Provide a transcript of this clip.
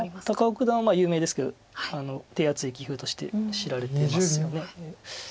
高尾九段は有名ですけど手厚い棋風として知られてますよね。